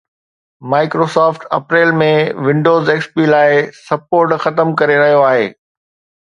Microsoft April ۾ Windows XP لاءِ support ختم ڪري رهيو آهي